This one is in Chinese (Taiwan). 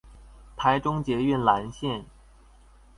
台中捷運藍線